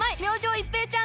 一平ちゃーん！